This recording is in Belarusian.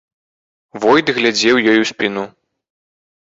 Войт глядзеў ёй у спіну.